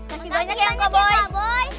makasih banyak ya kak boy